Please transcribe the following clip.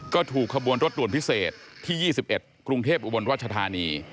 ก็ถูกขบวนรถด่วนพิเศษที่๒๑กรุงเทพอุบลราชธานี